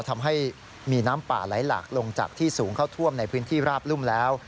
ทำให้มีน้ำป่าไหลหลากลงจากที่สูงเข้าท่วมในพื้นที่ราบรุ่มแล้ว